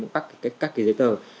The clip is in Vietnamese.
các cái giấy tờ